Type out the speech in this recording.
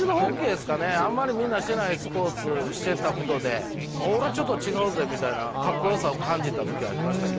あんまりみんなしてないスポーツしてたことでみたいな格好よさを感じた時ありましたけどね。